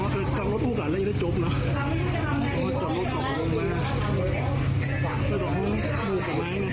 ทุกคนดูกับมายมาก